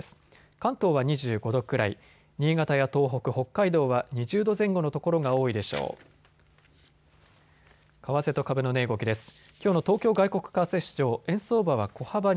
関東は２５度くらい、新潟や東北、北海道は２０度前後の所が多いでしょう。